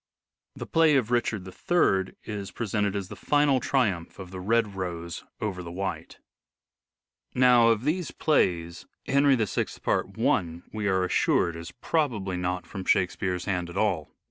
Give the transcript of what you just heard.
The play of " Richard III " is presented as the final triumph of the red rose over the white. Now of these plays, " Henry VI," part I, we are Shakespeare assured, is probably not from Shakespeare's hand at 0° Oxford^ all.